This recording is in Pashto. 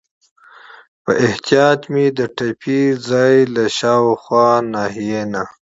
په احتیاط مې د ټپي ځای له شاوخوا ناحیې نه.